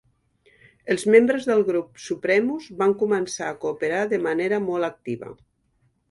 Els membres del grup "Supremus" van començar a cooperar de manera molt activa.